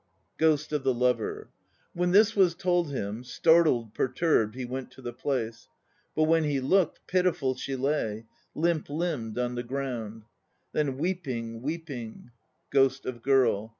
GHOST OF THE LOVER. When this was told him, Startled, perturbed, he went to the place; But when he looked, Pitiful she lay, Limp limbed on the ground. Then weeping, weeping GHOST OF GIRL.